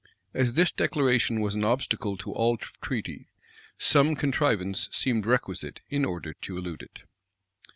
As this declaration was an obstacle to all treaty, some contrivance seemed requisite in order to elude it.